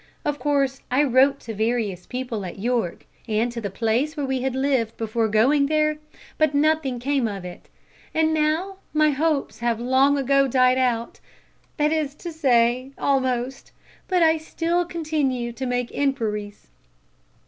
Of course I wrote to various people at York, and to the place where we had lived before going there, but nothing came of it, and now my hopes have long ago died out that is to say, almost but I still continue to make inquiries."